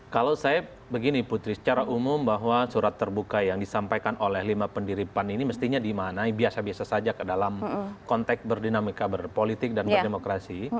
kalau saya begini putri secara umum bahwa surat terbuka yang disampaikan oleh lima pendiri pan ini mestinya dimanai biasa biasa saja dalam konteks berdinamika berpolitik dan berdemokrasi